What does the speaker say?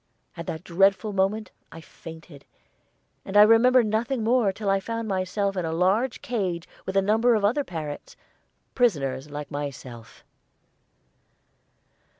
At that dreadful moment I fainted, and I remember nothing more until I found myself in a large cage with a number of other parrots, prisoners like myself.